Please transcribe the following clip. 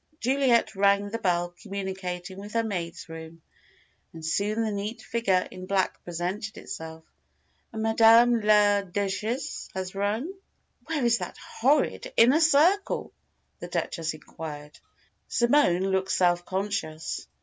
Juliet rang the bell communicating with her maid's room, and soon the neat figure in black presented itself. "Madame la Duchesse has rung?" "Where is that horrid Inner Circle?" the Duchess inquired. Simone looked self conscious.